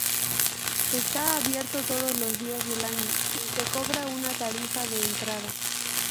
Está abierto todos los días del año, y se cobra una tarifa de entrada.